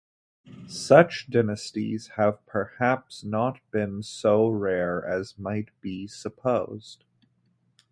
Such dynasties have perhaps not been so rare as might be supposed.